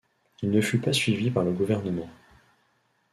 Il ne fut pas suivi par le gouvernement.